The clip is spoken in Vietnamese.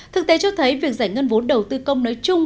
thực tế cho thấy việc giải ngân vốn đầu tư công nói chung